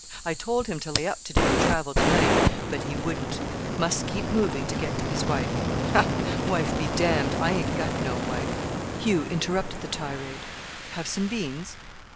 I told him to lay up to day and travel to night, but he wouldn't. Must keep moving to get to his wife. Ha! Wife be damned! I ain't got no wife." Hugh interrupted the tirade. "Have some beans?"